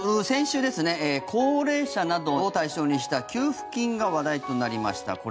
先週、高齢者などを対象にした給付金が話題となりました。